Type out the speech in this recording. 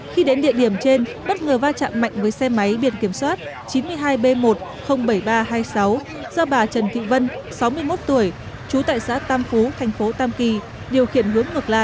khi đến địa điểm trên bất ngờ va chạm mạnh với xe máy biển kiểm soát chín mươi hai b một trăm linh bảy nghìn ba trăm hai mươi sáu do bà trần thị vân sáu mươi một tuổi trú tại xã tam phú thành phố tam kỳ điều khiển hướng ngược lại